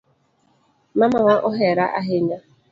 Mamawa ohera ahinya